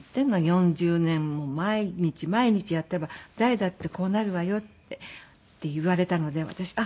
４０年も毎日毎日やってれば誰だってこうなるわよって言われたのであ